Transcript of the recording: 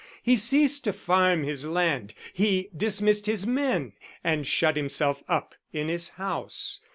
He ceased to farm his land, he dismissed his men, and shut himself up in his house.